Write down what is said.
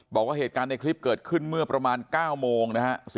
บอกว่าเหตุการณ์ในคลิปเกิดขึ้นเมื่อประมาณ๙โมงนะฮะ